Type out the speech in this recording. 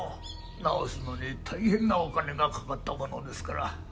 直すのに大変なお金がかかったものですから。